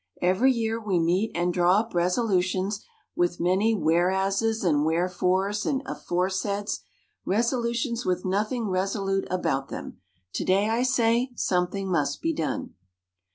Every year we meet and draw up resolutions, with many 'whereases' and 'wherefores,' and 'aforesaids' resolutions with nothing resolute about them. To day, I say, something must be done."